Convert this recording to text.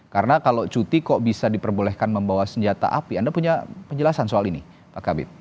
karena kalau cuti kok bisa diperbolehkan membawa senjata api anda punya penjelasan soal ini pak kapit